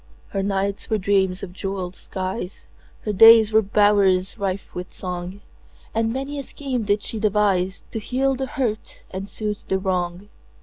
Her nights were dreams of jeweled skies, Her days were bowers rife with song, And many a scheme did she deviseTo heal the hurt and soothe the wrong.